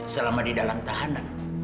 selama di dalam tahanan